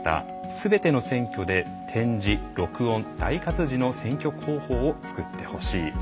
すべての選挙で点字・録音・大活字の選挙公報を作ってほしい。